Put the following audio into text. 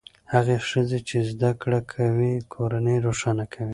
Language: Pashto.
هغه ښځې چې زده کړې کوي کورنۍ روښانه کوي.